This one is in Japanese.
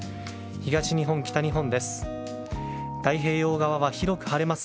東日本、北日本です。